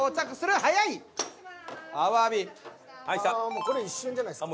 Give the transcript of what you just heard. もうこれ一瞬じゃないすか。